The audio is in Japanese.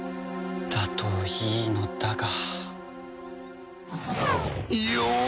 だといいのだが。